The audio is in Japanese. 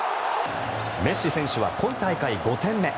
メッシ選手は今大会５点目。